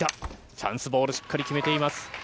チャンスボール、しっかり決めています。